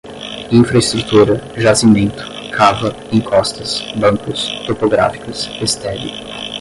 infra-estrutura, jazimento, cava, encostas, bancos, topográficas, estéril